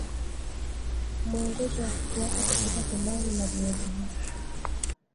Muongozo wa kufuata kupika pilau la viazi lishe